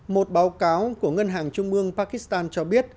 một báo cáo của ngân hàng trung mương pakistan cho biết